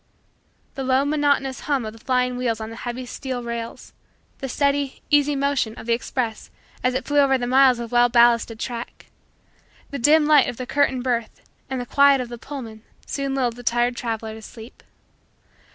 The low, monotonous, hum of the flying wheels on the heavy steel rails; the steady, easy, motion of the express as it flew over the miles of well ballasted track; the dim light of the curtained berth, and the quiet of the Pullman, soon lulled the tired traveler to sleep.